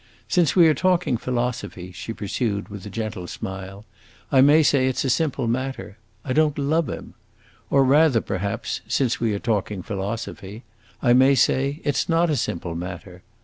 Since we are talking philosophy," she pursued with a gentle smile, "I may say it 's a simple matter! I don't love him. Or rather, perhaps, since we are talking philosophy, I may say it 's not a simple matter.